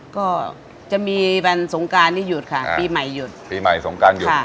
ก็จะมีวันสงการที่หยุดค่ะปีใหม่หยุดปีใหม่สงการหยุดค่ะ